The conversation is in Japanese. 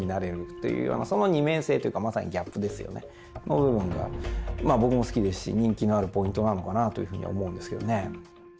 部分がまあ僕も好きですし人気のあるポイントなのかなというふうには思うんですけどね。